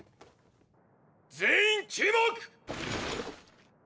全員注目！！